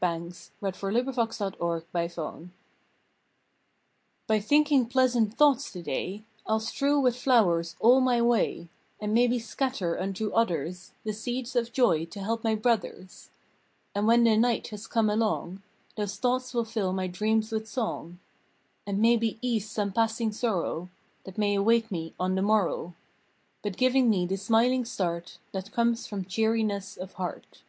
December Twenty seventh PLEASANT THINKING "DY thinking pleasant thoughts to day I ll strew with flowers all my way, And maybe scatter unto others The seeds of joy to help my brothers; And when the night has come along Those thoughts will fill my dreams with song, And maybe ease some passing sorrow That may await me on the morrow By giving me the smiling start That comes from cheeriness of heart.